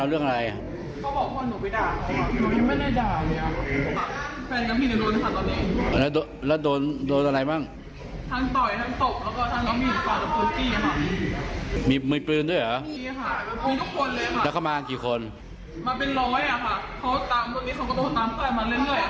มาเป็นร้อยค่ะเขาตามตัวนี้เขาก็ต้องตามตัวอันนั้นเรื่อยค่ะ